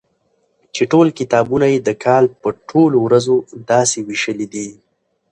چي ټول کتابونه يي د کال په ټولو ورځو داسي ويشلي دي